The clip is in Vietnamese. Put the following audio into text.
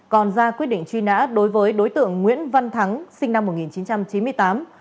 còn ra quyết định truy nã đối với đối tượng nguyễn văn thắng sinh năm một nghìn chín trăm chín mươi tám